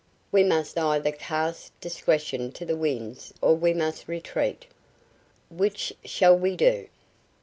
We must either cast discretion to the winds or we must retreat. Which shall we do?"